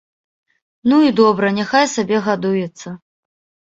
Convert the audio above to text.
Ну, і добра, няхай сабе гадуецца!